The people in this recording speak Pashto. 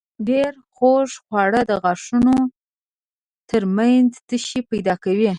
ډېر خوږ خواړه د غاښونو تر منځ تشې پیدا کوي.